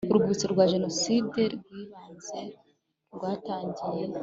Urwibutso rwa Jenoside rw ibanze rwatangiye